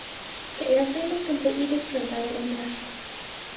The airframe was completely destroyed by the impact.